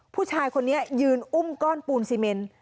ผู้ชายคนนี้ยืนอุ้มก้อนปูนซีเมน